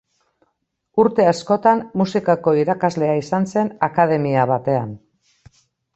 Urte askotan, musikako irakaslea izan zen akademia batean.